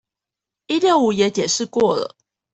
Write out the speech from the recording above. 一六五也解釋過了